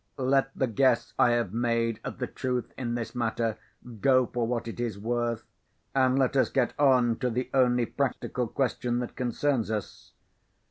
Let the guess I have made at the truth in this matter go for what it is worth, and let us get on to the only practical question that concerns us.